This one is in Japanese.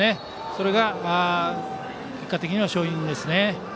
それが結果的には勝因ですね。